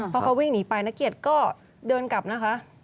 พอเขาวิ่งหนีไปนักเกียรติก็เดินกลับนะคะ